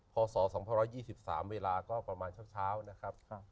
พศ๒๒๓เวลาก็ประมาณเช้านะครับ